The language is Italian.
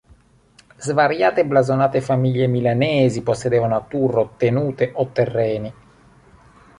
Svariate blasonate famiglie milanesi possedevano a Turro tenute o terreni.